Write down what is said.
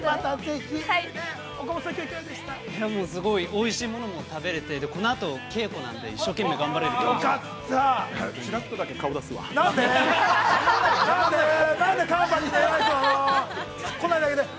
◆おいしいものも食べれて、このあと稽古なんで、一生懸命頑張れると思います。